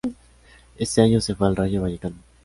Ese año se fue al Rayo Vallecano.